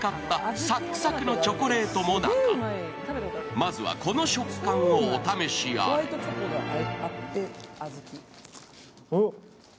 まずは、この食感をお試しあれ。